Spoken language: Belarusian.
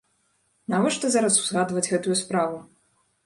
Навошта зараз узгадваць гэтую справу?